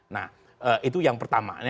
nah itu yang pertama